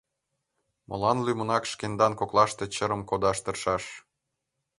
Молан лӱмынак шкендан коклаште чырым кодаш тыршаш?